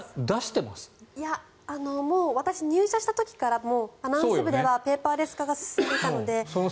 いや、もう私入社した時からアナウンス室ではペーパーレス化が進んでいたので。